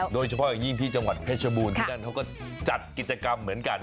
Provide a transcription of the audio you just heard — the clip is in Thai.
โดยเฉพาะอย่างยิ่งที่จังหวัดเพชรบูรณที่นั่นเขาก็จัดกิจกรรมเหมือนกัน